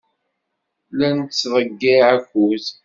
La nettḍeyyiɛ akud.